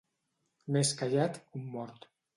Més callat que un mort.